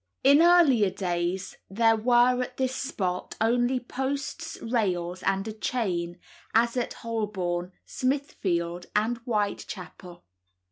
In earlier days there were at this spot only posts, rails, and a chain, as at Holborn, Smithfield, and Whitechapel.